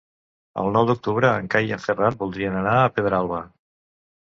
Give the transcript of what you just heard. El nou d'octubre en Cai i en Ferran voldrien anar a Pedralba.